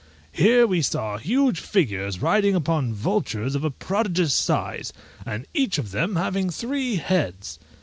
Here we saw huge figures riding upon vultures of a prodigious size, and each of them having three heads.